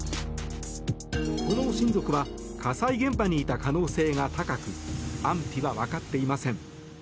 この親族は火災現場にいた可能性が高く安否は分かっていません。